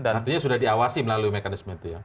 artinya sudah diawasi melalui mekanisme itu ya